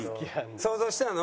想像したの？